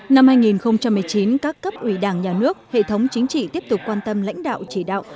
năm hai nghìn một mươi chín các cấp ủy đảng nhà nước hệ thống chính trị tiếp tục quan tâm lãnh đạo chỉ đạo